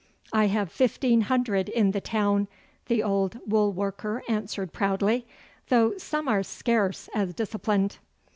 'I have fifteen hundred in the town,' the old wool worker answered proudly; 'though some are scarce as disciplined.